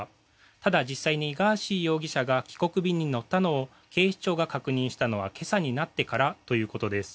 ただ、実際にガーシー容疑者が帰国便に乗ったのを警視庁が確認したのは今朝になってからということです。